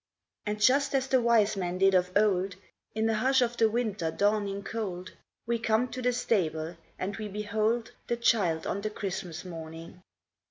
And just as the wise men did of old, In the hush of the winter dawning cold, We come to the stable, and we behold The Child on the Christmas morning.